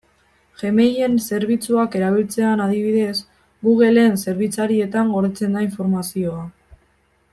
Gmail-en zerbitzuak erabiltzean, adibidez, Google-en zerbitzarietan gordetzen da informazioa.